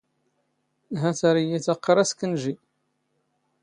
ⵀⴰⵜ ⴰⵔ ⵉⵢⵉ ⵜⴰⵇⵇⵔⴰ ⵙ ⴽⵏⵊⵉ.